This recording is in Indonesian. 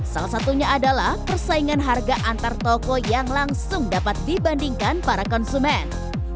salah satunya adalah persaingan harga antar toko yang langsung dapat dibandingkan para konsumen